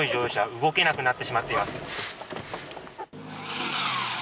動けなくなってしまっています。